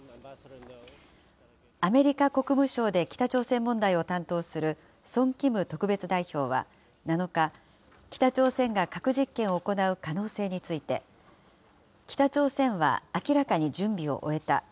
アメリカ国務省で北朝鮮問題を担当する、ソン・キム特別代表は７日、北朝鮮が核実験を行う可能性について、北朝鮮は明らかに準備を終えた。